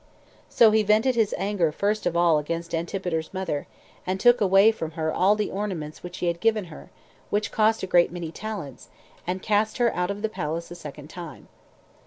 So he vented his anger first of all against Antipater's mother, and took away from her all the ornaments which he had given her, which cost a great many talents, and cast her out of the palace a second time.